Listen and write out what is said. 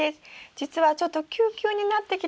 じつはちょっとキュウキュウになってきたので。